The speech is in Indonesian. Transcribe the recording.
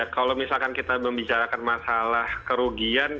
kalau misalkan kita membicarakan masalah kerugian